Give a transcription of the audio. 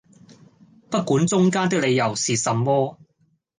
不管中間的理由是什麼！